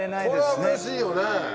これはうれしいよね。